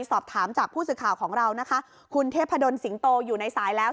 สอบถามจากผู้สื่อข่าวของเรานะคะคุณเทพดนสิงโตอยู่ในสายแล้ว